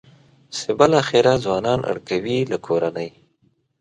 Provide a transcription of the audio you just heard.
چې بالاخره ځوانان اړ کوي له کورنۍ.